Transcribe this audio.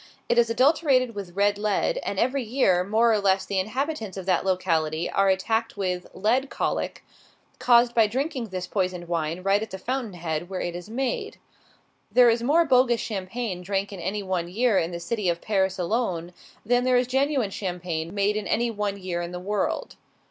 It is adulterated with red lead, and every year more or less of the inhabitants of that locality are attacked with "lead colic," caused by drinking this poisoned wine right at the fountain head where it is made. There is more bogus champagne drank in any one year, in the city of Paris alone, than there is genuine champagne made in any one year in the world.